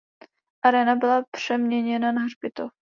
Aréna byla přeměněna na hřbitov.